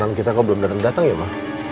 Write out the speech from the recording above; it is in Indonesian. makanan kita kok belum dateng dateng ya ma